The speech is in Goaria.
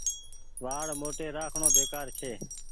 وآڙ موٽي رآکڻو بيڪآر ڇي ۔